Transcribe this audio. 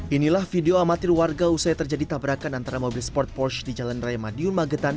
inilah video amatir warga usai terjadi tabrakan antara mobil sport porsch di jalan raya madiun magetan